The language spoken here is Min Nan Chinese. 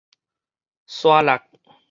沙轆